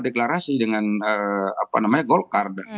deklarasi dengan apa namanya golkar